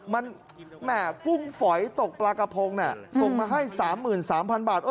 มันแม่กุ้งฝอยตกปลากระพงส่งมาให้๓๓๐๐๐บาท